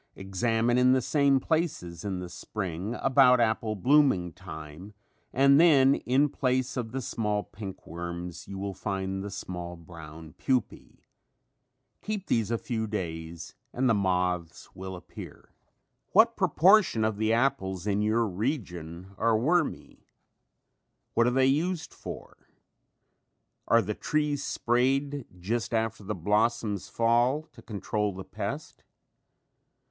Examine in the same places in the spring about apple blooming time and then in place of the small pink worms you will find the small brown pupae. Keep these a few days and the moths will appear. What proportion of apples in your region are wormy? What are they used for? Are the trees sprayed just after the blossoms fall to control the pest?